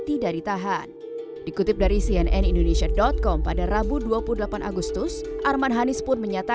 tidak ditahan dikutip dari cnn indonesia com pada rabu dua puluh delapan agustus arman hanis pun menyatakan